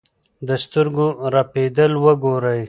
د سترګو رپېدل وګورئ.